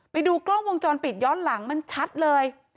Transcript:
ไปดูกล้องวงจรปิดย้อนหลังมันชัดเลย